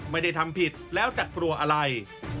ไม่ได้ทำผิดแล้วจะกลัวอะไร